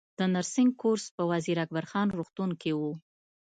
د نرسنګ کورس په وزیر اکبر خان روغتون کې و